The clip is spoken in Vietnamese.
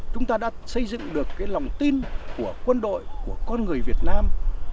chúng ta đã xây dựng được lòng tin của quân đội của con người việt nam